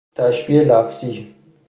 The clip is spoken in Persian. تشبیه لفظی